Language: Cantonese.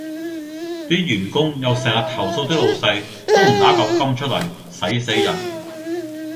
啲員工又成日投訴啲老細：都唔挪舊金出嚟，駛死人